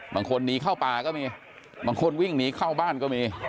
หนีเข้าป่าก็มีบางคนวิ่งหนีเข้าบ้านก็มี